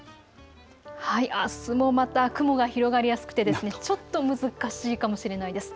あすもまた雲が広がりやすくてちょっと難しいかもしれないです。